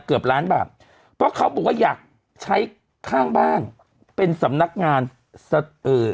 เกือบล้านบาทเพราะเขาบอกว่าอยากใช้ข้างบ้านเป็นสำนักงานเอ่อ